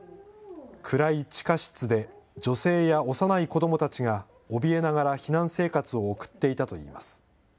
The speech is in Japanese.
暗い地下室で、女性や幼い子どもたちがおびえながら避難生活を送っていたといいます。